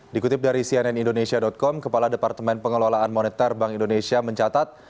dikutip dari cnn indonesia com kepala departemen pengelolaan moneter bank indonesia mencatat